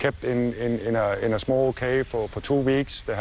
พวกมันไม่เห็นพ่อเขา